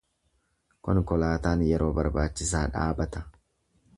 Konkolaataan yeroo barbaachisaa dhaabata.